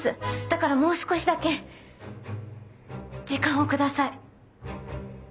だからもう少しだけ時間をください。